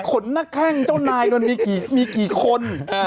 คนน่ะข้างเจ้านายนั้นมีกี่คน